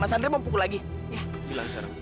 mas andre sudah merupakan pembunuh mbak dewi